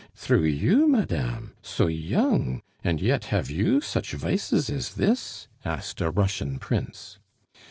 "Through you, madame? So young! and yet have you such vices as this?" asked a Russian prince.